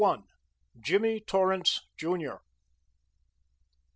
JIMMY TORRANCE, JR.